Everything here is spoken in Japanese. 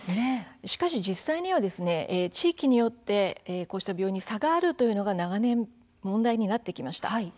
しかし、実際には地域によってこうした病院に差があるのが長年、問題になってきました。